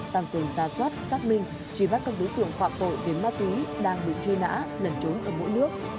tăng cường gia soát xác minh truy bắt các đối tượng phạm tội về ma túy đang bị truy nã lẩn trốn ở mỗi nước